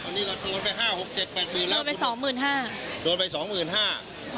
ตอนนี้ก็โดนไปห้าหกเจ็ดแปดหมื่นแล้วโดนไปสองหมื่นห้าโดนไปสองหมื่นห้า